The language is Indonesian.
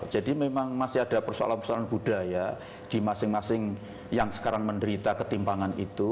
jadi memang masih ada persoalan persoalan budaya di masing masing yang sekarang menderita ketimpangan itu